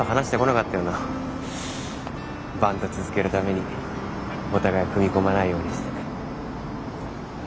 バンド続けるためにお互い踏み込まないようにして。